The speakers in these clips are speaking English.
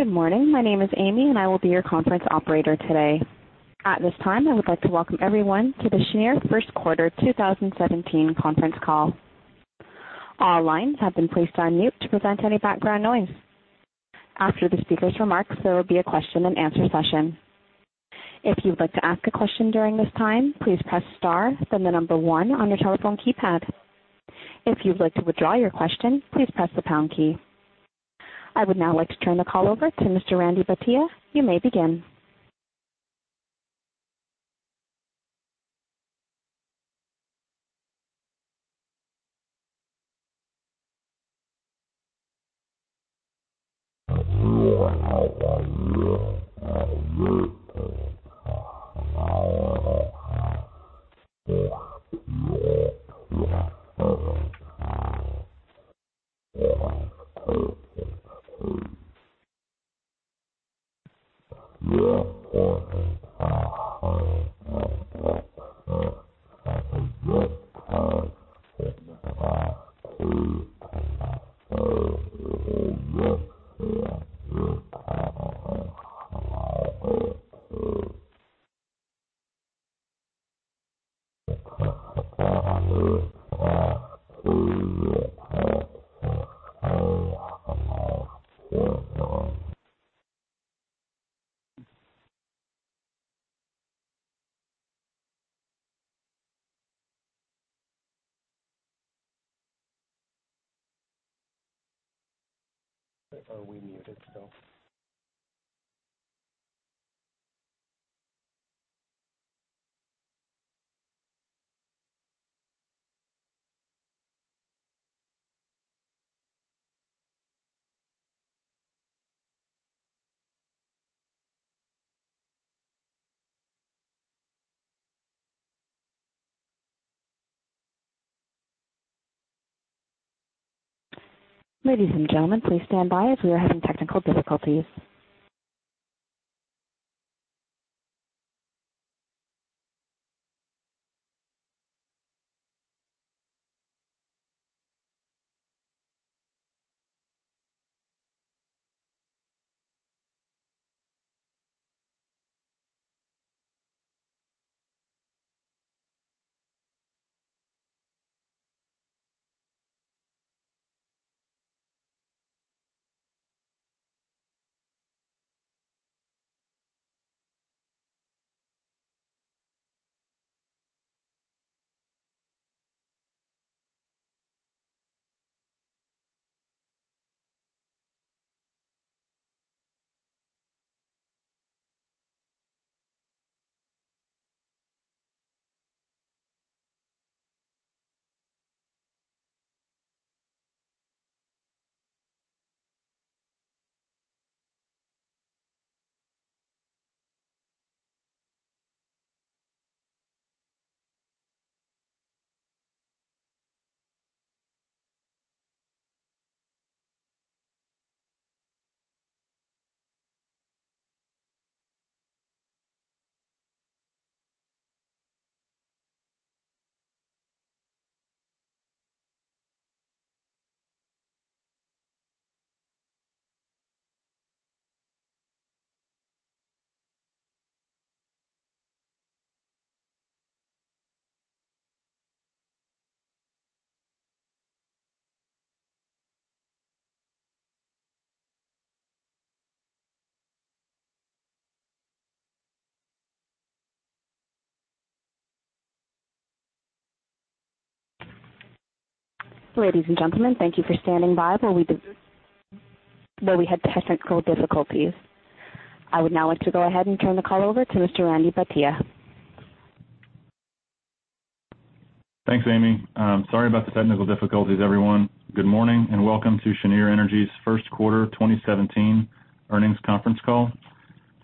Good morning. My name is Amy, I will be your conference operator today. At this time, I would like to welcome everyone to the Cheniere first quarter 2017 conference call. All lines have been placed on mute to prevent any background noise. After the speakers' remarks, there will be a question and answer session. If you'd like to ask a question during this time, please press star, then the number one on your telephone keypad. If you'd like to withdraw your question, please press the pound key. I would now like to turn the call over to Mr. Randy Bhatia. You may begin. Ladies and gentlemen, please stand by as we are having technical difficulties. Ladies and gentlemen, thank you for standing by while we had technical difficulties. I would now like to go ahead and turn the call over to Mr. Randy Bhatia. Thanks, Amy. Sorry about the technical difficulties, everyone. Good morning, welcome to Cheniere Energy's first quarter 2017 earnings conference call.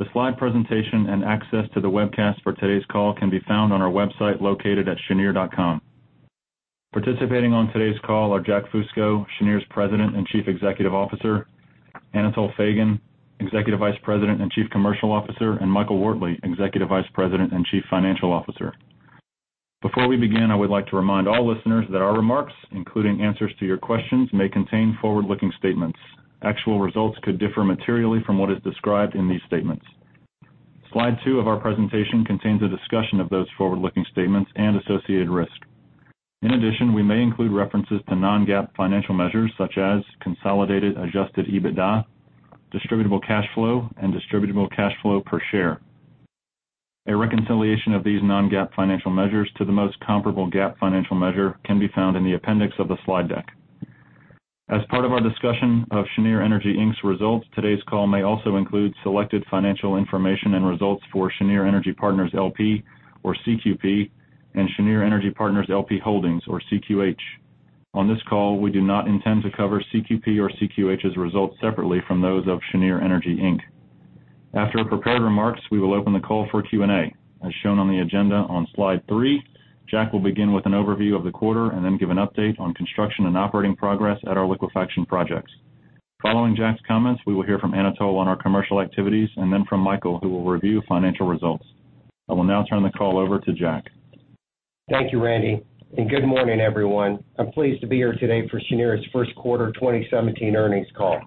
The slide presentation and access to the webcast for today's call can be found on our website located at cheniere.com. Participating on today's call are Jack Fusco, Cheniere's President and Chief Executive Officer, Anatol Feygin, Executive Vice President and Chief Commercial Officer, and Michael Wortley, Executive Vice President and Chief Financial Officer. Before we begin, I would like to remind all listeners that our remarks, including answers to your questions, may contain forward-looking statements. Actual results could differ materially from what is described in these statements. Slide two of our presentation contains a discussion of those forward-looking statements and associated risk. In addition, we may include references to non-GAAP financial measures such as Consolidated Adjusted EBITDA, Distributable Cash Flow, and Distributable Cash Flow per share. A reconciliation of these non-GAAP financial measures to the most comparable GAAP financial measure can be found in the appendix of the slide deck. As part of our discussion of Cheniere Energy, Inc.'s results, today's call may also include selected financial information and results for Cheniere Energy Partners, L.P. or CQP, Cheniere Energy Partners LP Holdings or CQH. On this call, we do not intend to cover CQP or CQH's results separately from those of Cheniere Energy, Inc. After our prepared remarks, we will open the call for Q&A. As shown on the agenda on slide three, Jack will begin with an overview of the quarter, then give an update on construction and operating progress at our liquefaction projects. Following Jack's comments, we will hear from Anatol on our commercial activities, then from Michael, who will review financial results. I will now turn the call over to Jack Thank you, Randy, and good morning, everyone. I am pleased to be here today for Cheniere's first quarter 2017 earnings call.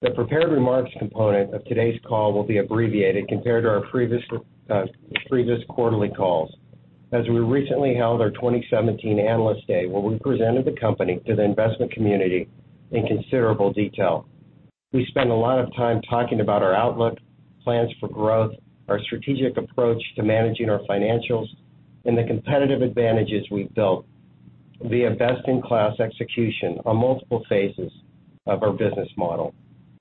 The prepared remarks component of today's call will be abbreviated compared to our previous quarterly calls, as we recently held our 2017 Analyst Day, where we presented the company to the investment community in considerable detail. We spent a lot of time talking about our outlook, plans for growth, our strategic approach to managing our financials, and the competitive advantages we've built via best-in-class execution on multiple phases of our business model.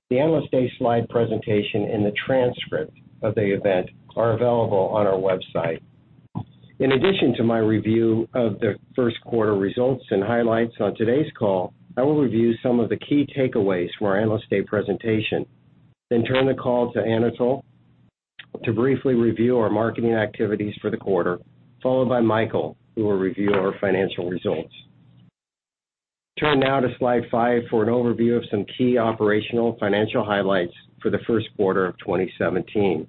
The Analyst Day slide presentation and the transcript of the event are available on our website. In addition to my review of the first quarter results and highlights on today's call, I will review some of the key takeaways from our Analyst Day presentation, then turn the call to Anatol to briefly review our marketing activities for the quarter, followed by Michael, who will review our financial results. Turn now to slide five for an overview of some key operational financial highlights for the first quarter of 2017.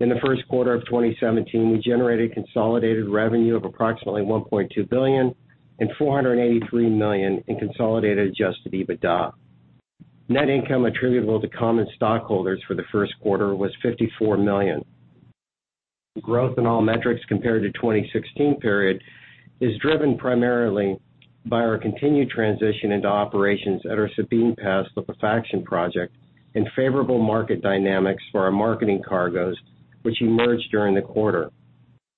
In the first quarter of 2017, we generated consolidated revenue of approximately $1.2 billion and $483 million in Consolidated Adjusted EBITDA. Net income attributable to common stockholders for the first quarter was $54 million. Growth in all metrics compared to 2016 period is driven primarily by our continued transition into operations at our Sabine Pass Liquefaction project and favorable market dynamics for our marketing cargoes, which emerged during the quarter.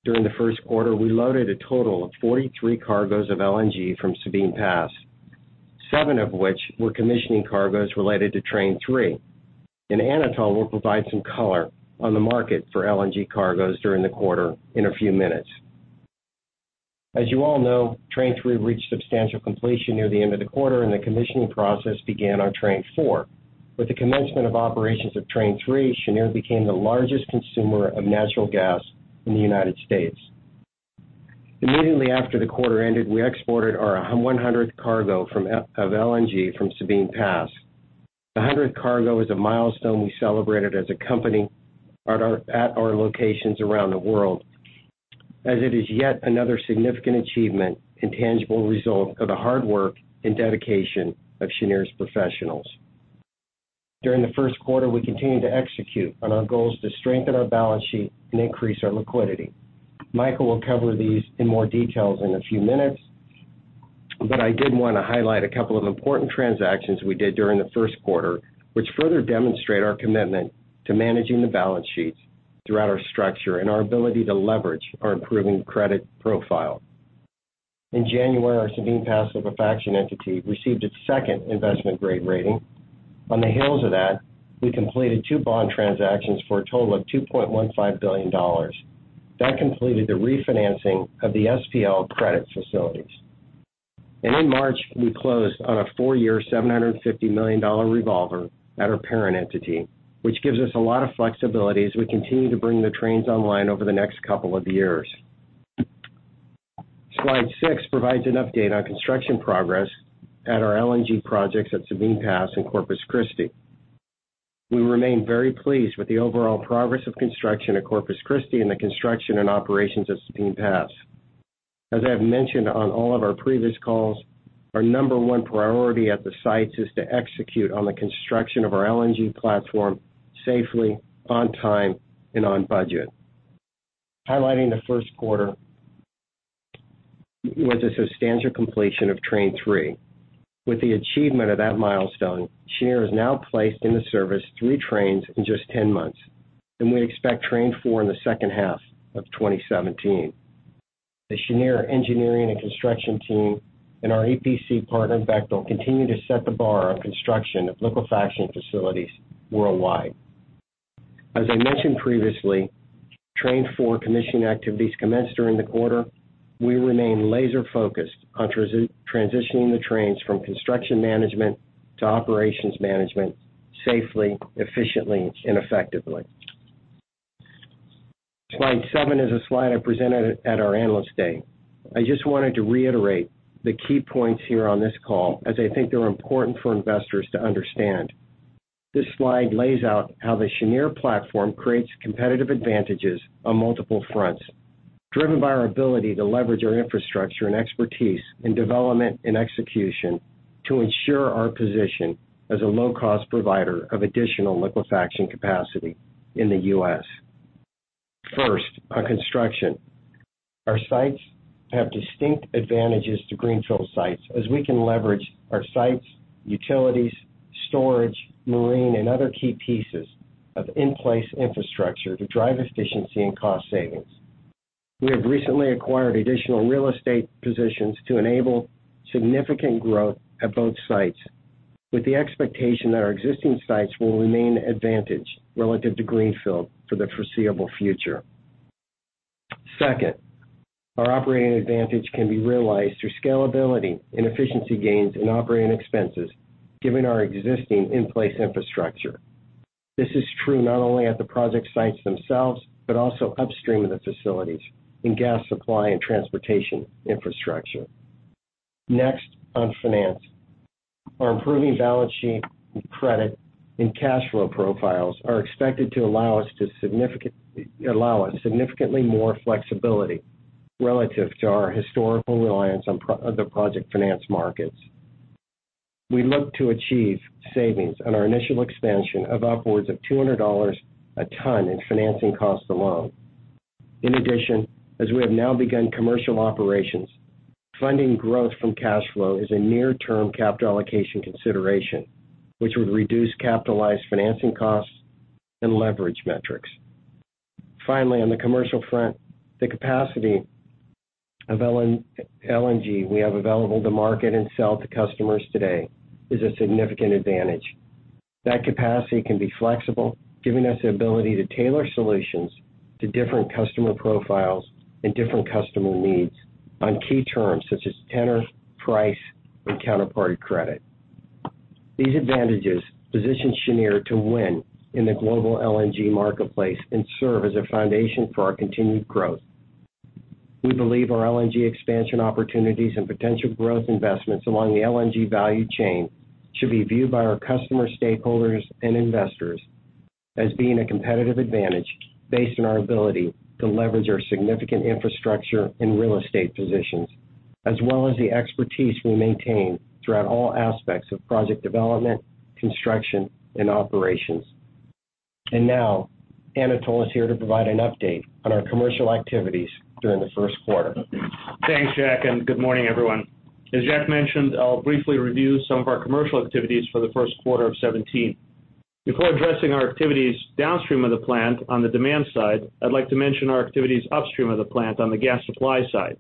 During the first quarter, we loaded a total of 43 cargoes of LNG from Sabine Pass, seven of which were commissioning cargoes related to Train 3, and Anatol will provide some color on the market for LNG cargoes during the quarter in a few minutes. As you all know, Train 3 reached substantial completion near the end of the quarter, and the commissioning process began on Train 4. With the commencement of operations of Train 3, Cheniere became the largest consumer of natural gas in the United States. Immediately after the quarter ended, we exported our 100th cargo of LNG from Sabine Pass. The 100th cargo is a milestone we celebrated as a company at our locations around the world, as it is yet another significant achievement and tangible result of the hard work and dedication of Cheniere's professionals. During the first quarter, we continued to execute on our goals to strengthen our balance sheet and increase our liquidity. Michael will cover these in more details in a few minutes, but I did want to highlight a couple of important transactions we did during the first quarter, which further demonstrate our commitment to managing the balance sheets throughout our structure and our ability to leverage our improving credit profile. In January, our Sabine Pass Liquefaction entity received its second investment-grade rating. On the heels of that, we completed two bond transactions for a total of $2.15 billion. That completed the refinancing of the SPL credit facilities. In March, we closed on a four-year, $750 million revolver at our parent entity, which gives us a lot of flexibility as we continue to bring the trains online over the next couple of years. Slide six provides an update on construction progress at our LNG projects at Sabine Pass and Corpus Christi. We remain very pleased with the overall progress of construction at Corpus Christi and the construction and operations at Sabine Pass. As I have mentioned on all of our previous calls, our number one priority at the sites is to execute on the construction of our LNG platform safely, on time, and on budget. Highlighting the first quarter was the substantial completion of Train 3. With the achievement of that milestone, Cheniere has now placed into service 3 trains in just 10 months, and we expect Train 4 in the second half of 2017. The Cheniere engineering and construction team and our EPC partner, Bechtel, continue to set the bar on construction of liquefaction facilities worldwide. As I mentioned previously, Train 4 commissioning activities commenced during the quarter. We remain laser-focused on transitioning the trains from construction management to operations management safely, efficiently, and effectively. Slide seven is a slide I presented at our Analyst Day. I just wanted to reiterate the key points here on this call, as I think they're important for investors to understand. This slide lays out how the Cheniere platform creates competitive advantages on multiple fronts, driven by our ability to leverage our infrastructure and expertise in development and execution to ensure our position as a low-cost provider of additional liquefaction capacity in the U.S. First, on construction. Our sites have distinct advantages to greenfield sites as we can leverage our sites, utilities, storage, marine, and other key pieces of in-place infrastructure to drive efficiency and cost savings. We have recently acquired additional real estate positions to enable significant growth at both sites with the expectation that our existing sites will remain advantaged relative to greenfield for the foreseeable future. Second, our operating advantage can be realized through scalability and efficiency gains in operating expenses given our existing in-place infrastructure. This is true not only at the project sites themselves, but also upstream of the facilities in gas supply and transportation infrastructure. Next, on finance. Our improving balance sheet credit and cash flow profiles are expected to allow us significantly more flexibility relative to our historical reliance on other project finance markets. We look to achieve savings on our initial expansion of upwards of $200 a ton in financing costs alone. In addition, as we have now begun commercial operations, funding growth from cash flow is a near-term capital allocation consideration, which would reduce capitalized financing costs and leverage metrics. Finally, on the commercial front, the capacity of LNG we have available to market and sell to customers today is a significant advantage. That capacity can be flexible, giving us the ability to tailor solutions to different customer profiles and different customer needs on key terms such as tenor, price, and counterparty credit. These advantages position Cheniere to win in the global LNG marketplace and serve as a foundation for our continued growth. We believe our LNG expansion opportunities and potential growth investments along the LNG value chain should be viewed by our customer stakeholders and investors as being a competitive advantage based on our ability to leverage our significant infrastructure and real estate positions, as well as the expertise we maintain throughout all aspects of project development, construction, and operations. Now, Anatol is here to provide an update on our commercial activities during the first quarter. Thanks, Jack. Good morning, everyone. As Jack mentioned, I'll briefly review some of our commercial activities for the first quarter of 2017. Before addressing our activities downstream of the plant on the demand side, I'd like to mention our activities upstream of the plant on the gas supply side.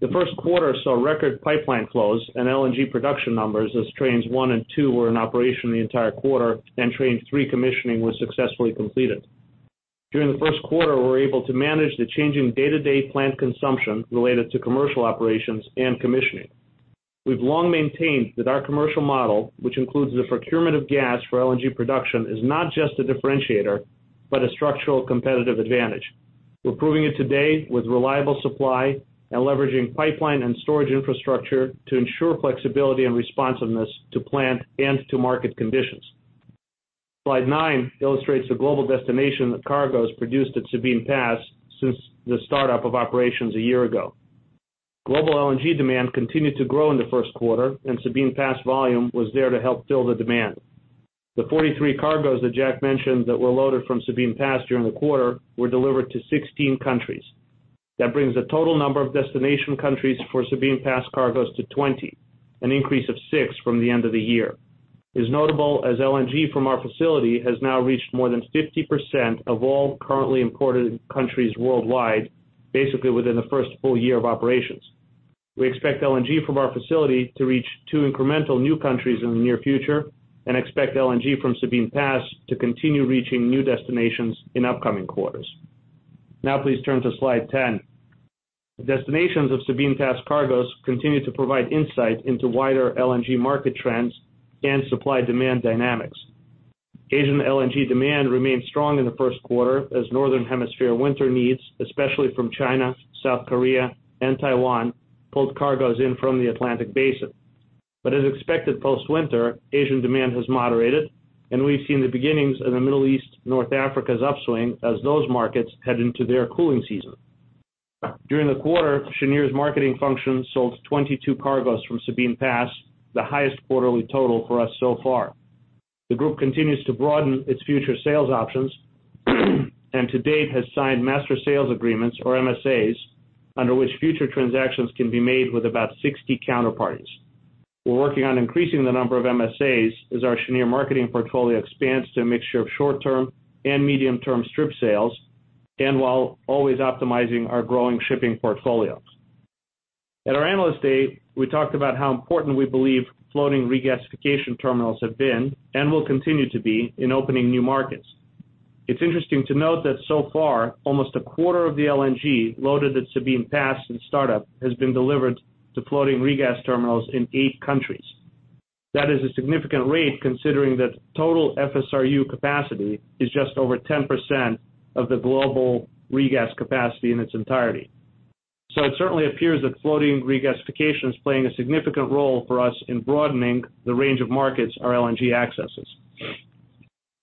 The first quarter saw record pipeline flows and LNG production numbers as Trains 1 and 2 were in operation the entire quarter, and Train 3 commissioning was successfully completed. During the first quarter, we were able to manage the changing day-to-day plant consumption related to commercial operations and commissioning. We've long maintained that our commercial model, which includes the procurement of gas for LNG production, is not just a differentiator, but a structural competitive advantage. We're proving it today with reliable supply and leveraging pipeline and storage infrastructure to ensure flexibility and responsiveness to plant and to market conditions. Slide nine illustrates the global destination of cargoes produced at Sabine Pass since the startup of operations a year ago. Global LNG demand continued to grow in the first quarter. Sabine Pass volume was there to help fill the demand. The 43 cargoes that Jack mentioned that were loaded from Sabine Pass during the quarter were delivered to 16 countries. That brings the total number of destination countries for Sabine Pass cargoes to 20, an increase of six from the end of the year. It is notable as LNG from our facility has now reached more than 50% of all currently imported countries worldwide, basically within the first full year of operations. We expect LNG from our facility to reach two incremental new countries in the near future and expect LNG from Sabine Pass to continue reaching new destinations in upcoming quarters. Please turn to slide 10. The destinations of Sabine Pass cargoes continue to provide insight into wider LNG market trends and supply-demand dynamics. Asian LNG demand remained strong in the first quarter as Northern Hemisphere winter needs, especially from China, South Korea, and Taiwan, pulled cargoes in from the Atlantic Basin. As expected post-winter, Asian demand has moderated. We've seen the beginnings of the Middle East/North Africa's upswing as those markets head into their cooling season. During the quarter, Cheniere's marketing function sold 22 cargoes from Sabine Pass, the highest quarterly total for us so far. The group continues to broaden its future sales options, and to date has signed master sales agreements, or MSAs, under which future transactions can be made with about 60 counterparties. We're working on increasing the number of MSAs as our Cheniere marketing portfolio expands to a mixture of short-term and medium-term strip sales, while always optimizing our growing shipping portfolios. At our Analyst Day, we talked about how important we believe floating regasification terminals have been and will continue to be in opening new markets. It's interesting to note that so far, almost a quarter of the LNG loaded at Sabine Pass since startup has been delivered to floating regas terminals in eight countries. That is a significant rate considering that total FSRU capacity is just over 10% of the global regas capacity in its entirety. It certainly appears that floating regasification is playing a significant role for us in broadening the range of markets our LNG accesses.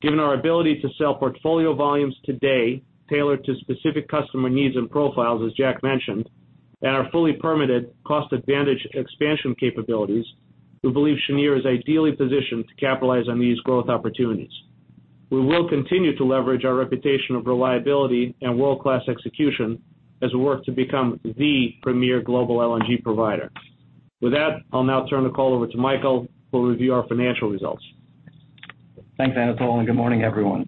Given our ability to sell portfolio volumes today tailored to specific customer needs and profiles, as Jack mentioned, and our fully permitted cost advantage expansion capabilities, we believe Cheniere is ideally positioned to capitalize on these growth opportunities. We will continue to leverage our reputation of reliability and world-class execution as we work to become the premier global LNG provider. With that, I'll now turn the call over to Michael, who will review our financial results. Thanks, Anatol, and good morning, everyone.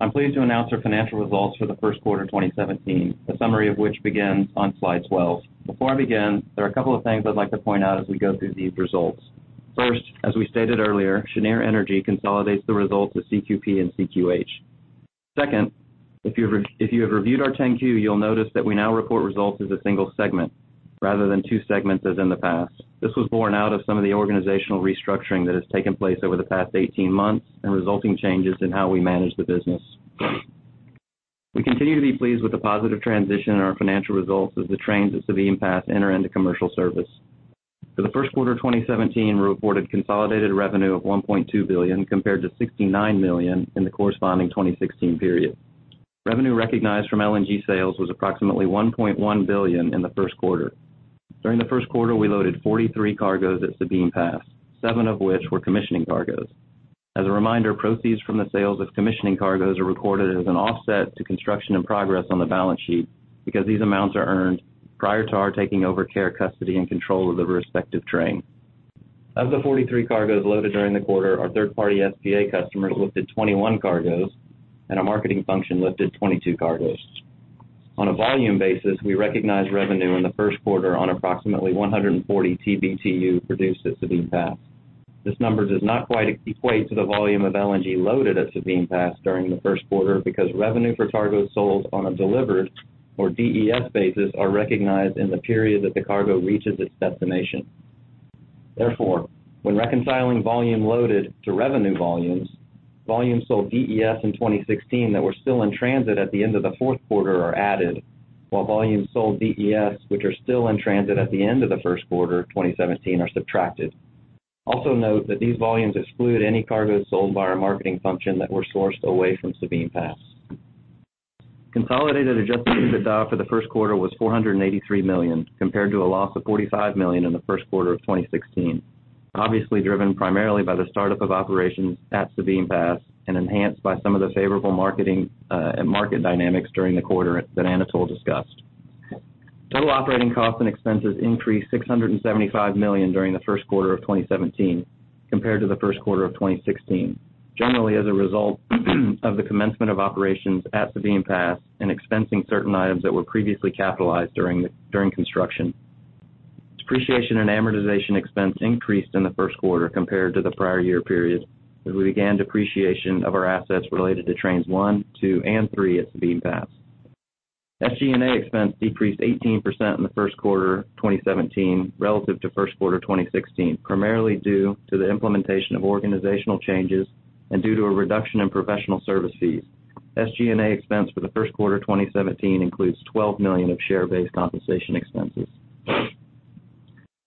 I'm pleased to announce our financial results for the first quarter of 2017, a summary of which begins on slide 12. Before I begin, there are a couple of things I'd like to point out as we go through these results. First, as we stated earlier, Cheniere Energy consolidates the results of CQP and CQH. Second, if you have reviewed our 10-Q, you'll notice that we now report results as a single segment rather than two segments as in the past. This was born out of some of the organizational restructuring that has taken place over the past 18 months and resulting changes in how we manage the business. We continue to be pleased with the positive transition in our financial results as the trains at Sabine Pass enter into commercial service. For the first quarter of 2017, we reported consolidated revenue of $1.2 billion compared to $69 million in the corresponding 2016 period. Revenue recognized from LNG sales was approximately $1.1 billion in the first quarter. During the first quarter, we loaded 43 cargoes at Sabine Pass, seven of which were commissioning cargoes. As a reminder, proceeds from the sales of commissioning cargoes are recorded as an offset to construction in progress on the balance sheet because these amounts are earned prior to our taking over care, custody, and control of the respective train. Of the 43 cargoes loaded during the quarter, our third-party SPA customers lifted 21 cargoes, and our marketing function lifted 22 cargoes. On a volume basis, we recognized revenue in the first quarter on approximately 140 TBtu produced at Sabine Pass. This number does not quite equate to the volume of LNG loaded at Sabine Pass during the first quarter because revenue for cargoes sold on a delivered or DES basis are recognized in the period that the cargo reaches its destination. Therefore, when reconciling volume loaded to revenue volumes sold DES in 2016 that were still in transit at the end of the fourth quarter are added, while volumes sold DES, which are still in transit at the end of the first quarter of 2017, are subtracted. Note that these volumes exclude any cargoes sold by our marketing function that were sourced away from Sabine Pass. Consolidated Adjusted EBITDA for the first quarter was $483 million, compared to a loss of $45 million in the first quarter of 2016, obviously driven primarily by the start-up of operations at Sabine Pass and enhanced by some of the favorable marketing and market dynamics during the quarter that Anatol discussed. Total operating costs and expenses increased $675 million during the first quarter of 2017 compared to the first quarter of 2016, generally as a result of the commencement of operations at Sabine Pass and expensing certain items that were previously capitalized during construction. Depreciation and amortization expense increased in the first quarter compared to the prior year period, as we began depreciation of our assets related to Trains 1, 2, and 3 at Sabine Pass. SG&A expense decreased 18% in the first quarter 2017 relative to first quarter 2016, primarily due to the implementation of organizational changes and due to a reduction in professional service fees. SG&A expense for the first quarter 2017 includes $12 million of share-based compensation expenses.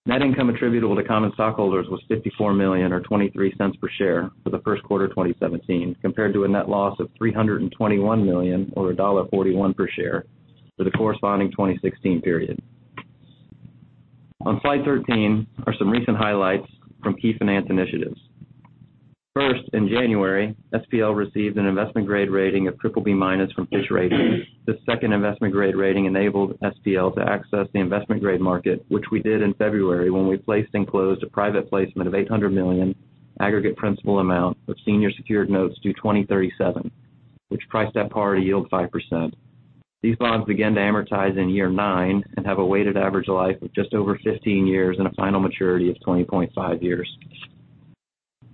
Net income attributable to common stockholders was $54 million, or $0.23 per share, for the first quarter of 2017, compared to a net loss of $321 million, or $1.41 per share, for the corresponding 2016 period. On slide 13 are some recent highlights from key finance initiatives. First, in January, SPL received an investment-grade rating of BBB- from Fitch Ratings. This second investment-grade rating enabled SPL to access the investment-grade market, which we did in February when we placed and closed a private placement of $800 million aggregate principal amount of senior secured notes due 2037, which priced at par to yield 5%. These bonds begin to amortize in year nine and have a weighted average life of just over 15 years and a final maturity of 20.5 years.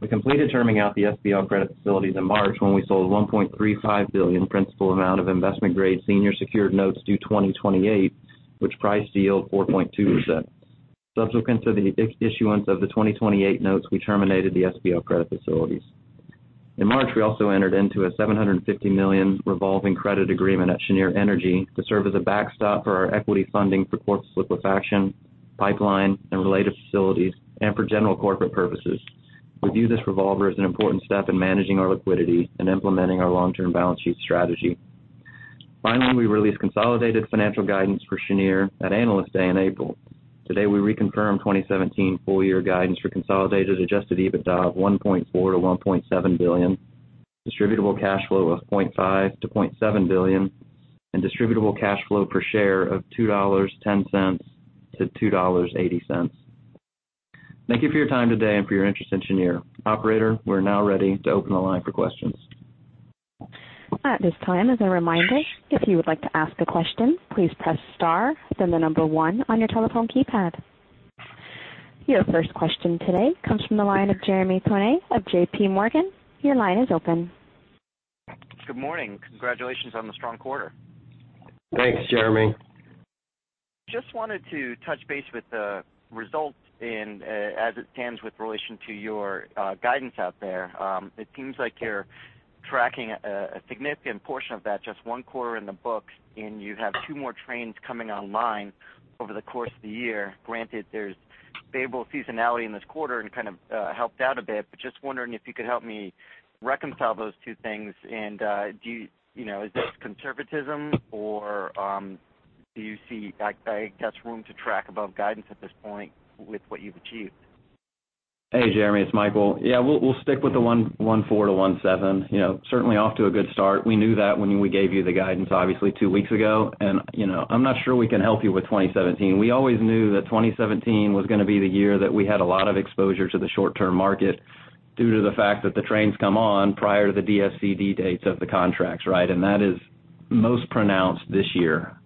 We completed terming out the SPL credit facilities in March when we sold $1.35 billion principal amount of investment-grade senior secured notes due 2028, which priced to yield 4.2%. Subsequent to the issuance of the 2028 notes, we terminated the SPL credit facilities. In March, we also entered into a $750 million revolving credit agreement at Cheniere Energy to serve as a backstop for our equity funding for Corpus Christi Liquefaction, pipeline, and related facilities, and for general corporate purposes. We view this revolver as an important step in managing our liquidity and implementing our long-term balance sheet strategy. Finally, we released consolidated financial guidance for Cheniere at Analyst Day in April. Today, we reconfirm 2017 full-year guidance for Consolidated Adjusted EBITDA of $1.4 billion to $1.7 billion, Distributable Cash Flow of $0.5 billion to $0.7 billion, and distributable cash flow per share of $2.10 to $2.80. Thank you for your time today and for your interest in Cheniere. Operator, we are now ready to open the line for questions. At this time, as a reminder, if you would like to ask a question, please press star, then the number 1 on your telephone keypad. Your first question today comes from the line of Jeremy Tonet of J.P. Morgan. Your line is open. Good morning. Congratulations on the strong quarter. Thanks, Jeremy. Just wanted to touch base with the results as it stands with relation to your guidance out there. It seems like you're tracking a significant portion of that just one quarter in the books, and you have two more trains coming online over the course of the year. Granted, there's favorable seasonality in this quarter and kind of helped out a bit, but just wondering if you could help me reconcile those two things. Is this conservatism, or do you see there's room to track above guidance at this point with what you've achieved? Hey, Jeremy. It's Michael. Yeah, we'll stick with the $1.4-$1.7. Certainly off to a good start. We knew that when we gave you the guidance, obviously, two weeks ago. I'm not sure we can help you with 2017. We always knew that 2017 was going to be the year that we had a lot of exposure to the short-term market due to the fact that the trains come on prior to the DSCD dates of the contracts. Right? That is most pronounced this year.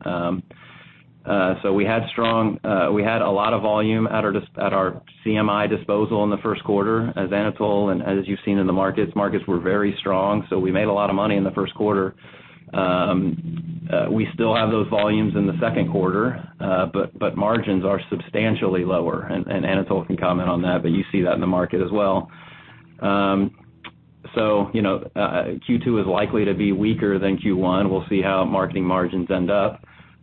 We had a lot of volume at our CMI disposal in the first quarter as Anatol and as you've seen in the markets. Markets were very strong, so we made a lot of money in the first quarter. We still have those volumes in the 2nd quarter, but margins are substantially lower, and Anatol can comment on that, but you see that in the market as well. Q2 is likely to be weaker than Q1. We'll see how marketing margins end up.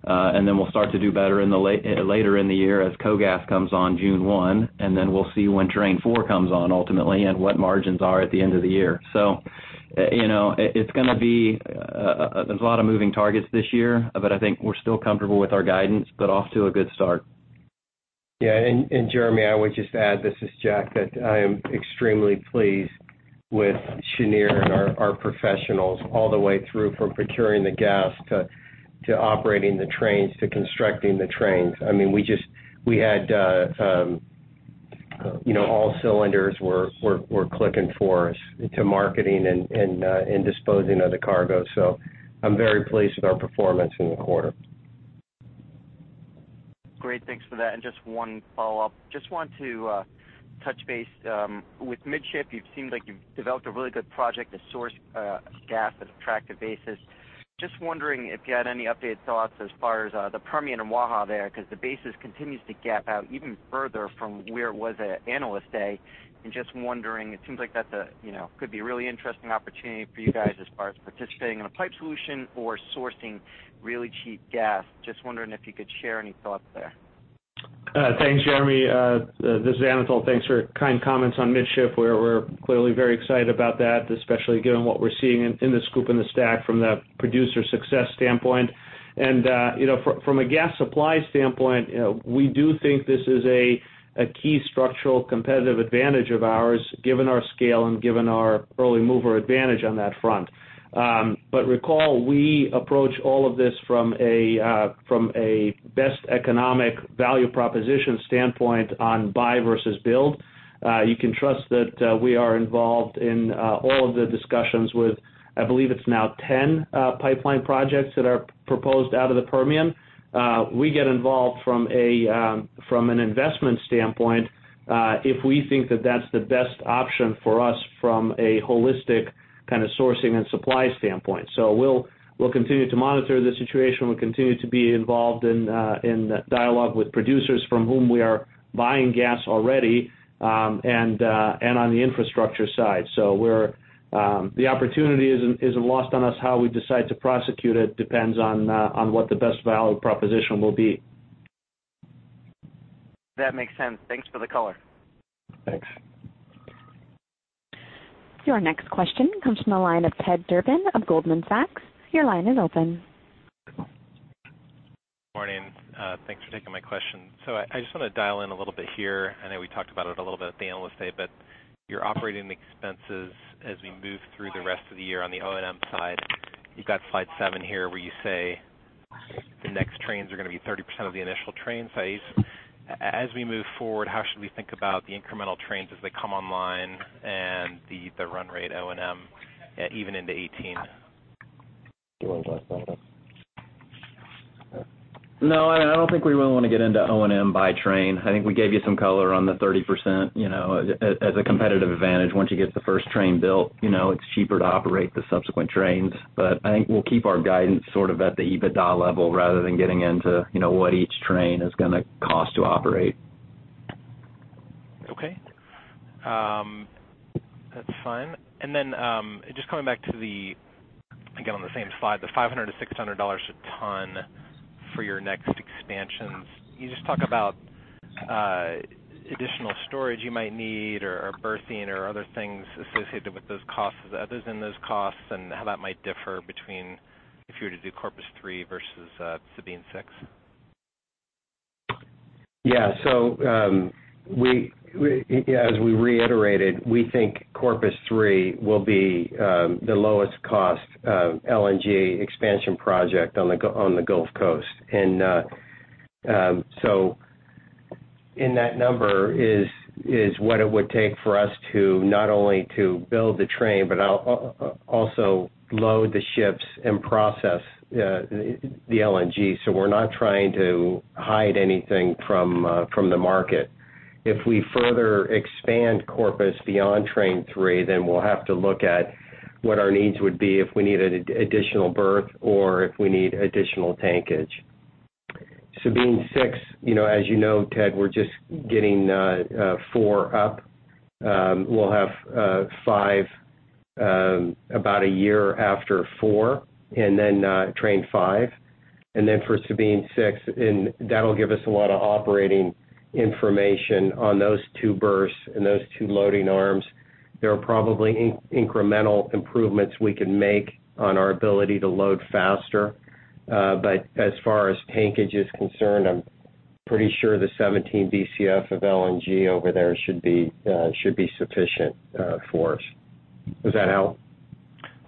Then we'll start to do better later in the year as KOGAS comes on June 1, and then we'll see when Train 4 comes on ultimately, and what margins are at the end of the year. There's a lot of moving targets this year, but I think we're still comfortable with our guidance, but off to a good start. Yeah, Jeremy, I would just add, this is Jack, that I am extremely pleased with Cheniere and our professionals all the way through from procuring the gas to operating the trains, to constructing the trains. All cylinders were clicking for us, to marketing and disposing of the cargo. I'm very pleased with our performance in the quarter. Great. Thanks for that. Just one follow-up. Just want to touch base. With Midship, you've seemed like you've developed a really good project to source gas at attractive basis. Just wondering if you had any updated thoughts as far as the Permian and Waha there, because the basis continues to gap out even further from where it was at Analyst Day. Just wondering, it seems like that could be a really interesting opportunity for you guys as far as participating in a pipe solution or sourcing really cheap gas. Just wondering if you could share any thoughts there. Thanks, Jeremy. This is Anatol. Thanks for kind comments on Midship. We're clearly very excited about that, especially given what we're seeing in the SCOOP and the STACK from the producer success standpoint. From a gas supply standpoint, we do think this is a key structural competitive advantage of ours, given our scale and given our early mover advantage on that front. Recall, we approach all of this from a best economic value proposition standpoint on buy versus build. You can trust that we are involved in all of the discussions with, I believe it's now 10 pipeline projects that are proposed out of the Permian. We get involved from an investment standpoint if we think that that's the best option for us from a holistic kind of sourcing and supply standpoint. We'll continue to monitor the situation. We'll continue to be involved in dialogue with producers from whom we are buying gas already, and on the infrastructure side. The opportunity isn't lost on us. How we decide to prosecute it depends on what the best value proposition will be. That makes sense. Thanks for the color. Thanks. Your next question comes from the line of Ted Durbin of Goldman Sachs. Your line is open. Morning. Thanks for taking my question. I just want to dial in a little bit here. I know we talked about it a little bit at the Analyst Day, your operating expenses as we move through the rest of the year on the O&M side, you've got slide seven here where you say the next trains are going to be 30% of the initial train size. We move forward, how should we think about the incremental trains as they come online and the run rate O&M even into 2018? Do you want to address that, Michael? No, I don't think we really want to get into O&M by train. I think we gave you some color on the 30% as a competitive advantage. Once you get the first train built, it's cheaper to operate the subsequent trains. I think we'll keep our guidance sort of at the EBITDA level rather than getting into what each train is going to cost to operate. Okay. That's fine. Then, just coming back to the, again, on the same slide, the $500 to $600 a ton for your next expansions. Can you just talk about additional storage you might need or berthing or other things associated with those costs, other than those costs, and how that might differ between if you were to do Corpus 3 versus Sabine 6? As we reiterated, we think Corpus 3 will be the lowest cost LNG expansion project on the Gulf Coast. In that number is what it would take for us to not only to build the train, but also load the ships and process the LNG. We're not trying to hide anything from the market. If we further expand Corpus beyond Train 3, we'll have to look at what our needs would be if we need an additional berth or if we need additional tankage. Sabine 6, as you know, Ted, we're just getting 4 up. We'll have 5 about a year after 4, then Train 5, then for Sabine 6, and that'll give us a lot of operating information on those 2 berths and those 2 loading arms. There are probably incremental improvements we can make on our ability to load faster. As far as tankage is concerned, I'm pretty sure the 17 BCF of LNG over there should be sufficient for us. Does that help?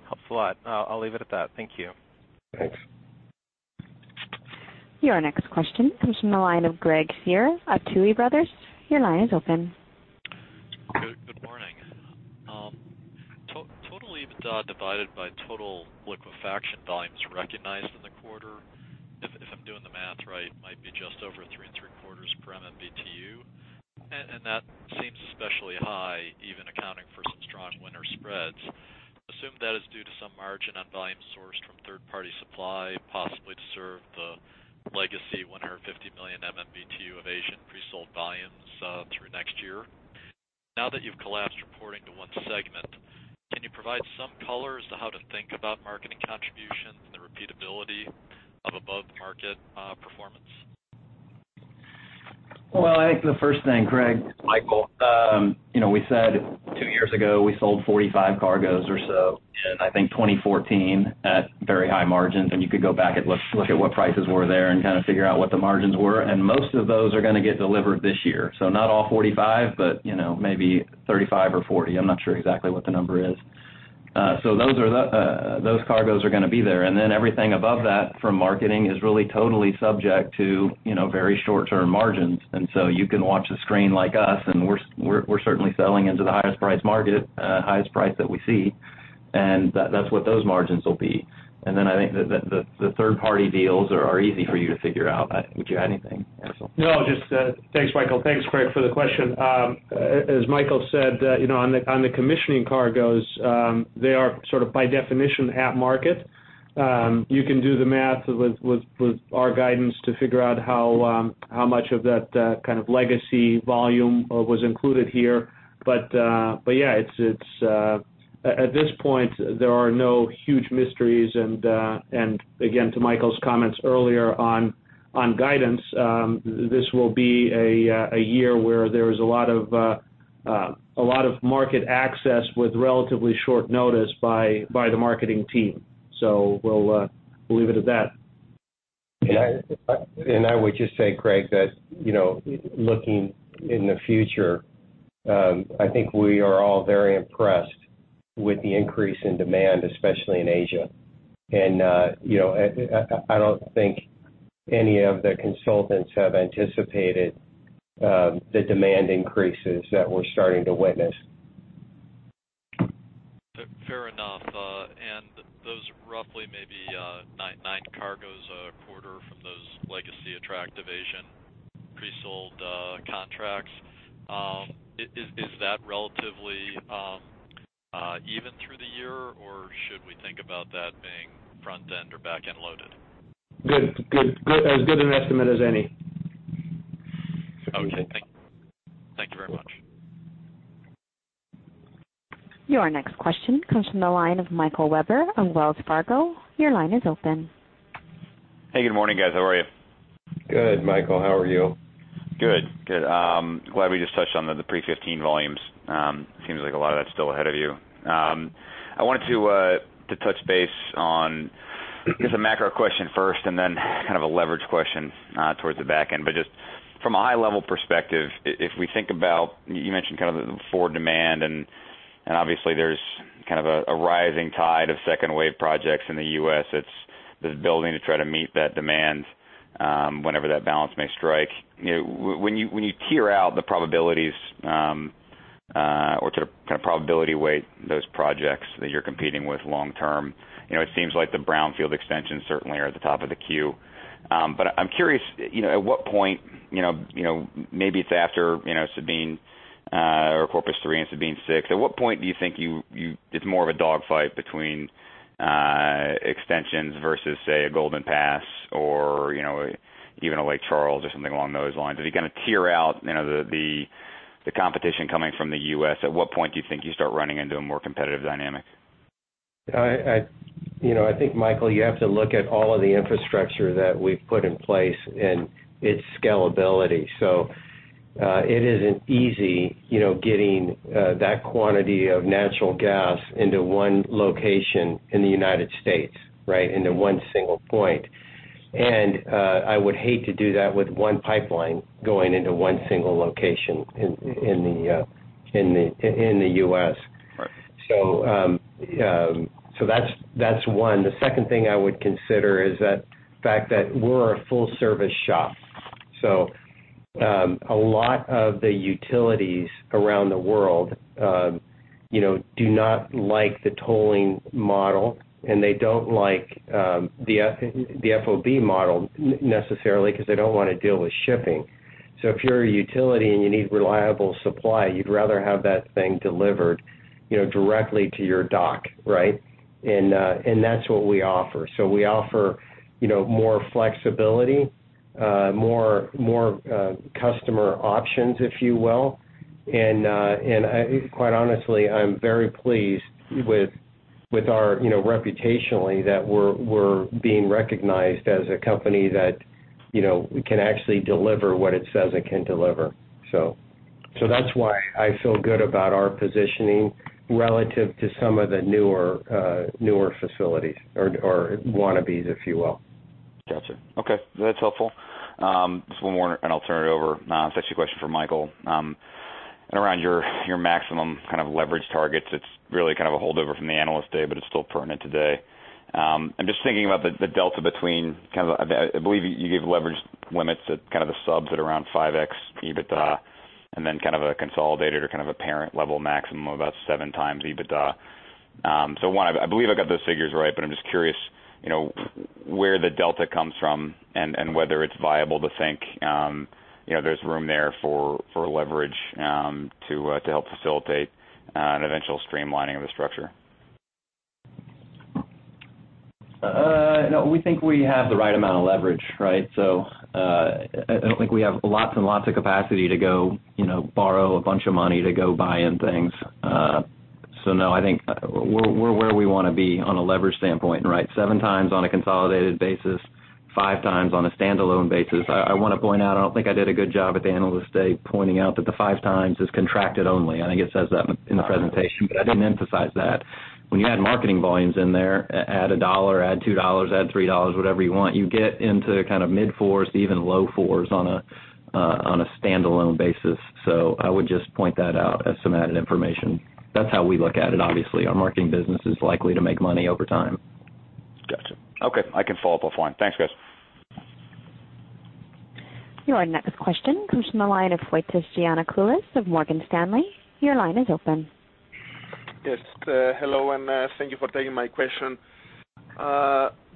Helps a lot. I'll leave it at that. Thank you. Thanks. Your next question comes from the line of Craig Shere of Tuohy Brothers. Your line is open. Good morning. Total EBITDA divided by total liquefaction volumes recognized in the quarter, if I'm doing the math right, might be just over $3.75 per MMBtu, and that seems especially high, even accounting for some strong winter spreads. Assume that is due to some margin on volume sourced from third-party supply. See 150 million MMBtu of Asian presold volumes through next year. Now that you've collapsed reporting to one segment, can you provide some color as to how to think about marketing contributions and the repeatability of above-market performance? Well, I think the first thing, Craig, Michael, we said two years ago we sold 45 cargoes or so in, I think, 2014 at very high margins, and you could go back and look at what prices were there and kind of figure out what the margins were. Most of those are going to get delivered this year. Not all 45, but maybe 35 or 40. I'm not sure exactly what the number is. Those cargoes are going to be there. Everything above that from marketing is really totally subject to very short-term margins. You can watch a screen like us, and we're certainly selling into the highest price market at the highest price that we see, and that's what those margins will be. I think that the third-party deals are easy for you to figure out. Would you add anything, Anatol? Thanks, Michael. Thanks, Craig, for the question. As Michael said, on the commissioning cargoes, they are sort of by definition half-market. You can do the math with our guidance to figure out how much of that kind of legacy volume was included here. At this point, there are no huge mysteries, and again, to Michael's comments earlier on guidance, this will be a year where there is a lot of market access with relatively short notice by the marketing team. We'll leave it at that. I would just say, Craig, that looking in the future, I think we are all very impressed with the increase in demand, especially in Asia. I don't think any of the consultants have anticipated the demand increases that we're starting to witness. Fair enough. Those roughly maybe nine cargoes a quarter from those legacy activation presold contracts, is that relatively even through the year, or should we think about that being front-end or back-end loaded? As good an estimate as any. Okay. Thank you very much. Your next question comes from the line of Michael Webber of Wells Fargo. Your line is open. Hey, good morning, guys. How are you? Good, Michael. How are you? Good. Glad we just touched on the pre-2015 volumes. It seems like a lot of that's still ahead of you. I wanted to touch base on just a macro question first and then kind of a leverage question towards the back end. Just from a high-level perspective, if we think about-- you mentioned kind of the forward demand, and obviously there's kind of a rising tide of second-wave projects in the U.S. that's building to try to meet that demand whenever that balance may strike. When you tier out the probabilities or sort of kind of probability weight those projects that you're competing with long term, it seems like the brownfield extensions certainly are at the top of the queue. I'm curious, at what point, maybe it's after Sabine or Corpus 3 and Sabine 6, at what point do you think it's more of a dogfight between extensions versus, say, a Golden Pass or even a Lake Charles or something along those lines? As you kind of tier out the competition coming from the U.S., at what point do you think you start running into a more competitive dynamic? I think, Michael, you have to look at all of the infrastructure that we've put in place and its scalability. It isn't easy getting that quantity of natural gas into one location in the U.S., right, into one single point. I would hate to do that with one pipeline going into one single location in the U.S. Right. That's one. The second thing I would consider is the fact that we're a full-service shop. A lot of the utilities around the world do not like the tolling model, and they don't like the FOB model necessarily because they don't want to deal with shipping. If you're a utility and you need reliable supply, you'd rather have that thing delivered directly to your dock, right? That's what we offer. We offer more flexibility, more customer options, if you will. Quite honestly, I'm very pleased with our, reputationally, that we're being recognized as a company that can actually deliver what it says it can deliver. That's why I feel good about our positioning relative to some of the newer facilities or wannabes, if you will. Got you. Okay. That's helpful. Just one more, and I'll turn it over. It's actually a question for Michael. Around your maximum kind of leverage targets, it's really kind of a holdover from the Analyst Day, but it's still pertinent today. I'm just thinking about the delta between I believe you gave leverage limits at kind of the subs at around 5x EBITDA and then kind of a consolidated or kind of a parent-level maximum of about 7 times EBITDA. 1, I believe I got those figures right, but I'm just curious where the delta comes from and whether it's viable to think there's room there for leverage to help facilitate an eventual streamlining of the structure. No, we think we have the right amount of leverage, right? I don't think we have lots and lots of capacity to go borrow a bunch of money to go buying things. No, I think we're where we want to be on a leverage standpoint, right? 7 times on a consolidated basis, 5 times on a standalone basis. I want to point out, I don't think I did a good job at the Analyst Day pointing out that the 5 times is contracted only. I think it says that in the presentation. I didn't emphasize that. When you add marketing volumes in there, add $1, add $2, add $3, whatever you want, you get into kind of mid-fours to even low fours on a standalone basis. I would just point that out as some added information. That's how we look at it, obviously. Our marketing business is likely to make money over time. Got you. Okay. I can follow up offline. Thanks, guys. Your next question comes from the line of Fotis Giannakoulis of Morgan Stanley. Your line is open. Yes. Hello. Thank you for taking my question.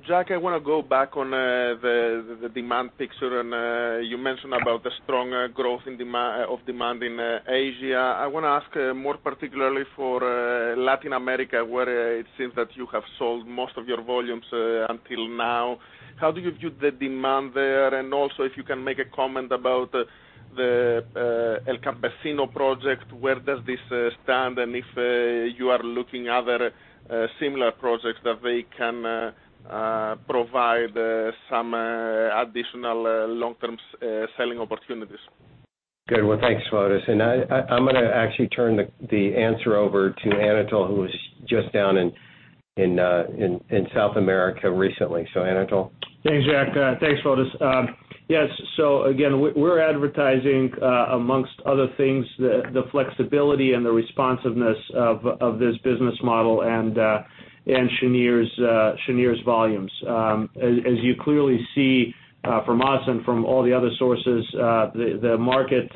Jack, I want to go back on the demand picture. You mentioned about the strong growth of demand in Asia. I want to ask more particularly for Latin America, where it seems that you have sold most of your volumes until now. How do you view the demand there? Also, if you can make a comment about the El Campesino project, where does this stand? If you are looking other similar projects that they can provide some additional long-term selling opportunities. Good. Well, thanks, Fotis. I'm going to actually turn the answer over to Anatol, who was just down in South America recently. Anatol? Thanks, Jack. Thanks, Fotis. Yes. Again, we're advertising amongst other things, the flexibility and the responsiveness of this business model and Cheniere's volumes. As you clearly see from us and from all the other sources, the market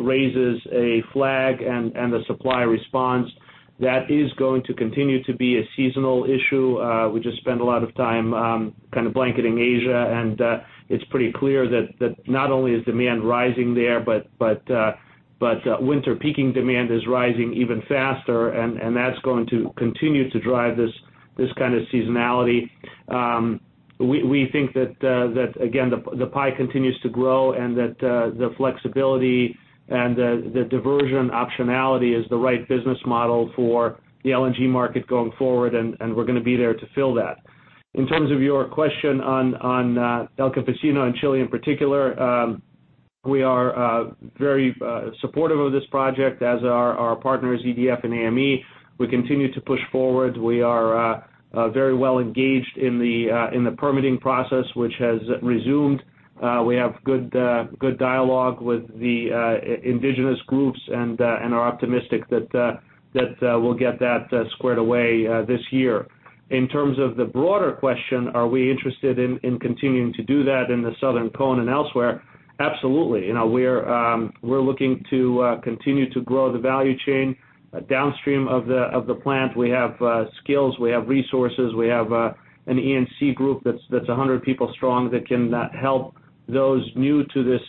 raises a flag and the supply responds. That is going to continue to be a seasonal issue. We just spend a lot of time kind of blanketing Asia. It's pretty clear that not only is demand rising there, but winter peaking demand is rising even faster, and that's going to continue to drive this kind of seasonality. We think that again, the pie continues to grow. That the flexibility and the diversion optionality is the right business model for the LNG market going forward, and we're going to be there to fill that. In terms of your question on El Campesino in Chile in particular, we are very supportive of this project, as are our partners, EDF and Engie. We continue to push forward. We are very well-engaged in the permitting process, which has resumed. We have good dialogue with the indigenous groups and are optimistic that we'll get that squared away this year. In terms of the broader question, are we interested in continuing to do that in the Southern Cone and elsewhere? Absolutely. We're looking to continue to grow the value chain downstream of the plant. We have skills, we have resources, we have an E&C group that's 100 people strong that can help those new to this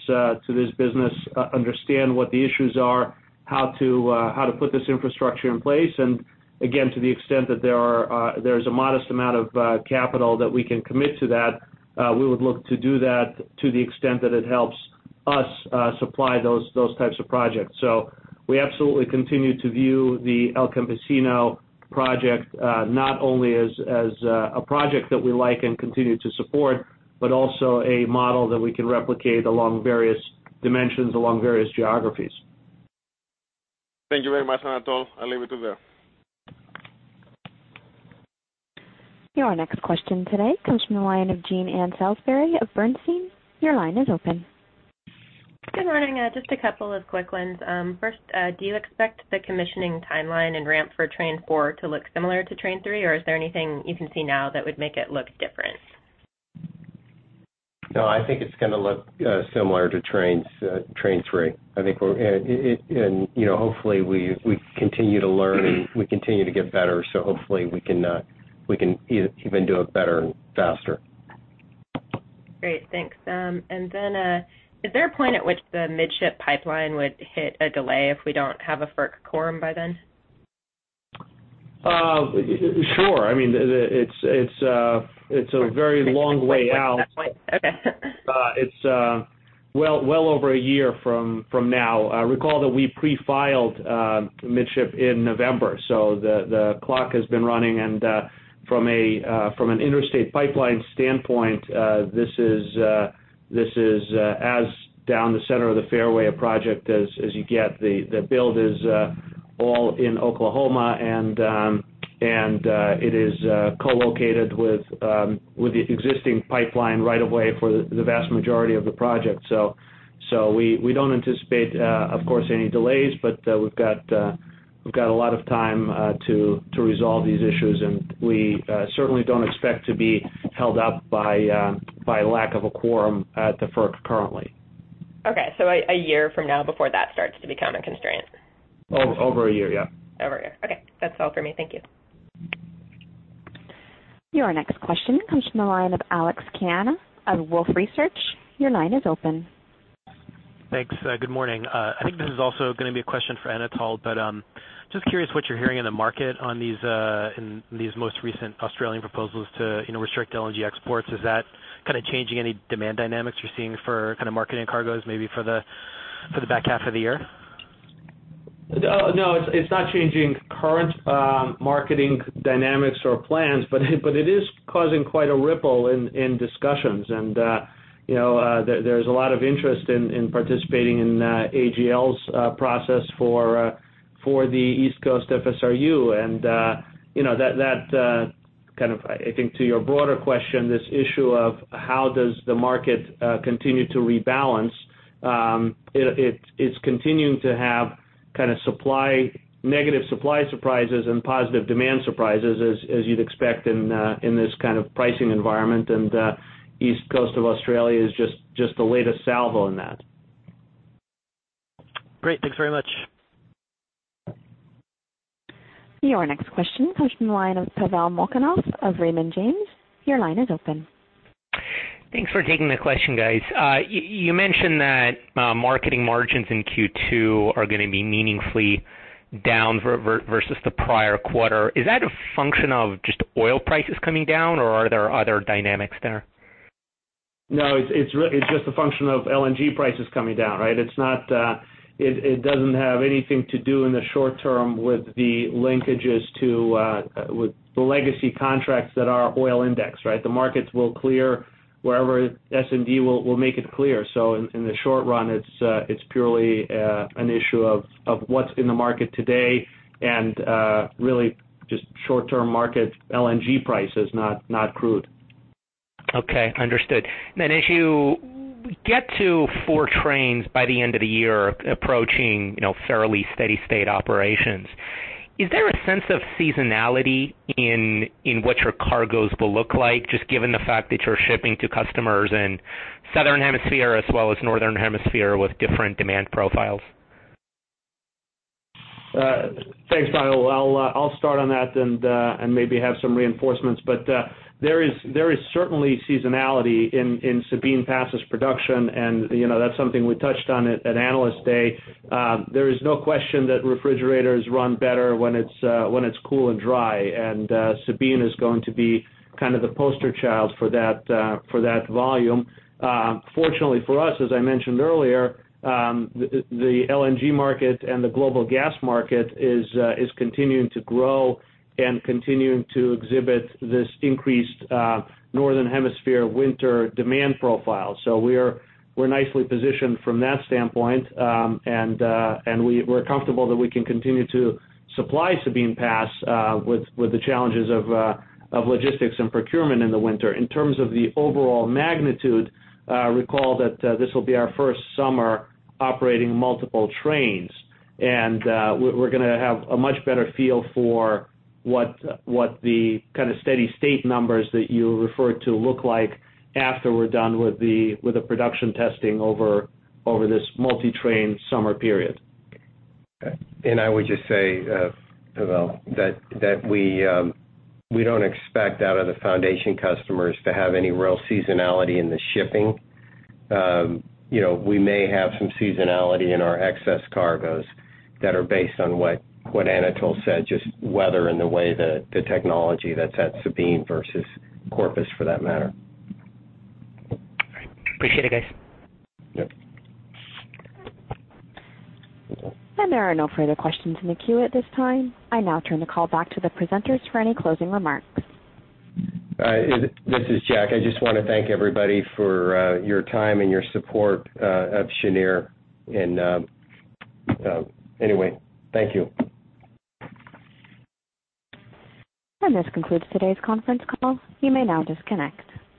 business understand what the issues are, how to put this infrastructure in place, and again, to the extent that there's a modest amount of capital that we can commit to that, we would look to do that to the extent that it helps us supply those types of projects. We absolutely continue to view the El Campesino project not only as a project that we like and continue to support, but also a model that we can replicate along various dimensions, along various geographies. Thank you very much, Anatol. I'll leave it there. Your next question today comes from the line of Jean Ann Salisbury of Bernstein. Your line is open. Good morning. Just a couple of quick ones. First, do you expect the commissioning timeline and ramp for Train 4 to look similar to Train 3, or is there anything you can see now that would make it look different? No, I think it's going to look similar to Train 3. Hopefully, we continue to learn, and we continue to get better, so hopefully we can even do it better and faster. Great. Thanks. Then is there a point at which the Midship Pipeline would hit a delay if we don't have a FERC quorum by then? Sure. It's a very long way out. Okay. It's well over a year from now. Recall that we pre-filed Midship in November. The clock has been running. From an interstate pipeline standpoint, this is as down the center of the fairway a project as you get. The build is all in Oklahoma. It is co-located with the existing pipeline right away for the vast majority of the project. We don't anticipate, of course, any delays. We've got a lot of time to resolve these issues. We certainly don't expect to be held up by lack of a quorum at the FERC currently. Okay. A year from now before that starts to become a constraint? Over a year, yeah. Over a year. Okay. That's all for me. Thank you. Your next question comes from the line of Alex Kania of Wolfe Research. Your line is open. Thanks. Good morning. I think this is also going to be a question for Anatol. Just curious what you're hearing in the market on these most recent Australian proposals to restrict LNG exports. Is that kind of changing any demand dynamics you're seeing for kind of marketing cargoes maybe for the back half of the year? No, it's not changing current marketing dynamics or plans, but it is causing quite a ripple in discussions and there's a lot of interest in participating in AGL's process for the East Coast FSRU. That kind of, I think to your broader question, this issue of how does the market continue to rebalance? It's continuing to have kind of negative supply surprises and positive demand surprises as you'd expect in this kind of pricing environment. East Coast of Australia is just the latest salvo in that. Great. Thanks very much. Your next question line of Pavel Molchanov of Raymond James, your line is open. Thanks for taking the question, guys. You mentioned that marketing margins in Q2 are going to be meaningfully down versus the prior quarter. Is that a function of just oil prices coming down, or are there other dynamics there? No, it's just a function of LNG prices coming down, right? It doesn't have anything to do in the short term with the linkages to the legacy contracts that are oil indexed, right? The markets will clear wherever S&P will make it clear. In the short run, it's purely an issue of what's in the market today and really just short-term market LNG prices, not crude. Okay, understood. As you get to four trains by the end of the year, approaching fairly steady state operations, is there a sense of seasonality in what your cargoes will look like, just given the fact that you're shipping to customers in southern hemisphere as well as northern hemisphere with different demand profiles? Thanks, Pavel. I'll start on that and maybe have some reinforcements. There is certainly seasonality in Sabine Pass' production, and that's something we touched on at Analyst Day. There is no question that refrigerators run better when it's cool and dry. Sabine is going to be kind of the poster child for that volume. Fortunately for us, as I mentioned earlier, the LNG market and the global gas market is continuing to grow and continuing to exhibit this increased northern hemisphere winter demand profile. We're nicely positioned from that standpoint. We're comfortable that we can continue to supply Sabine Pass with the challenges of logistics and procurement in the winter. In terms of the overall magnitude, recall that this will be our first summer operating multiple trains, and we're going to have a much better feel for what the kind of steady state numbers that you refer to look like after we're done with the production testing over this multi-train summer period. I would just say, Pavel, that we don't expect out of the foundation customers to have any real seasonality in the shipping. We may have some seasonality in our excess cargoes that are based on what Anatol said, just weather and the way the technology that's at Sabine versus Corpus for that matter. All right. Appreciate it, guys. Yep. There are no further questions in the queue at this time. I now turn the call back to the presenters for any closing remarks. This is Jack. I just want to thank everybody for your time and your support of Cheniere, and anyway, thank you. This concludes today's conference call. You may now disconnect.